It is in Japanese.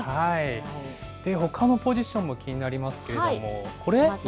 ほかのポジションも気になりますけれども、これ？